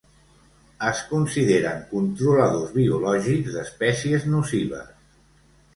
Es consideren controladors biològics d'espècies nocives.